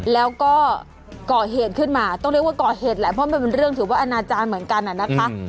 แล้วก็ก่อเหตุขึ้นมาต้องเรียกว่าก่อเหตุแหละเพราะมันเป็นเรื่องถือว่าอนาจารย์เหมือนกันนะคะ